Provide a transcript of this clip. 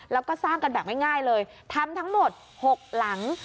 แล้วก็สร้างกันแบบง่ายเลยทำทั้งหมด๖หลัง